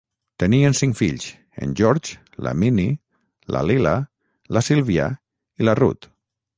Tenien cinc fills: en George, la Minnie, la Lila, la Sylvia i la Ruth.